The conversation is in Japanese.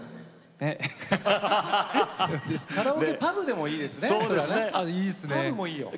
カラオケパブでもいいよ。